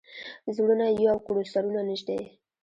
زړونه یو کړو، سرونه نژدې